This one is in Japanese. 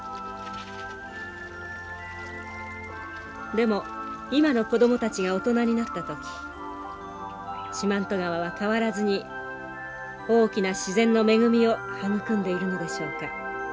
でも今の子供たちが大人になった時四万十川は変わらずに大きな自然の恵みを育んでいるのでしょうか。